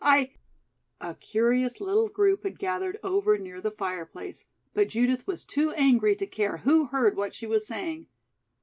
I " A curious little group had gathered over near the fireplace, but Judith was too angry to care who heard what she was saying.